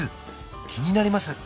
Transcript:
気になります！